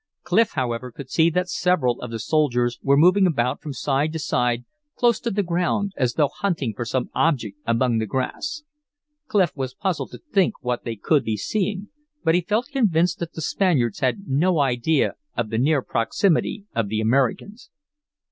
Clif, however, could see that several of the soldiers were moving about from side to side, close to the ground, as though hunting for some object among the grass. Clif was puzzled to think what they could be seeking, but he felt convinced that the Spaniards had no idea of the near proximity of the Americans.